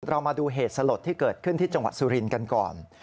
เรามาดูเหตุสลดที่เกิดขึ้นที่จังหวัดสุรินทร์กันก่อน